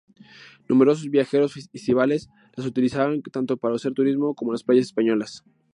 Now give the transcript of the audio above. Numerosos viajeros estivales las utilizan tanto para hacer turismo como en las playas españolas.